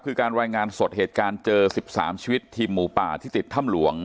คือการรายงานสดเหตุการณ์เจอ๑๓ชีวิตทีมหมูป่าที่ติดถ้ำหลวง